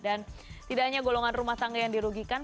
tidak hanya golongan rumah tangga yang dirugikan